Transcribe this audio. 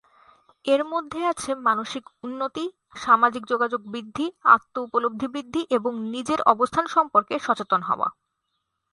এর মধ্যে আছে মানসিক উন্নতি, সামাজিক যোগাযোগ বৃদ্ধি, আত্ম উপলব্ধি বৃদ্ধি এবং নিজের অবস্থান সম্পর্কে সচেতন হওয়া।